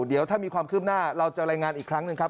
เดี๋ยวถ้ามีความคืบหน้าเราจะรายงานอีกครั้งหนึ่งครับ